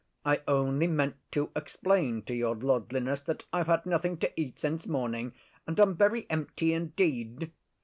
I only meant to explain to Your Lordliness that I've had nothing to eat since morning, and I'm very empty indeed.